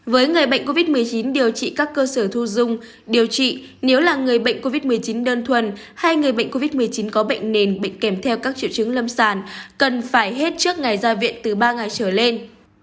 với người bệnh covid một mươi chín điều trị các cơ sở thu dung điều trị nếu là người bệnh covid một mươi chín đơn thuần hay người bệnh covid một mươi chín có bệnh nền bệnh kèm theo các triệu chứng lâm sàng cần phải hết trước ngày ra viện từ ba ngày trở lên